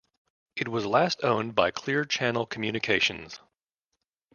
It was last owned by Clear Channel Communications.